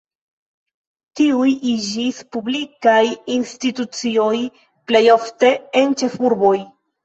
Tiuj iĝis publikaj institucioj, plej ofte en ĉefurboj.